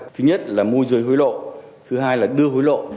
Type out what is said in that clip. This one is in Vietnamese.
thứ nhất là môi rời hối lộ thứ hai là đưa hối lộ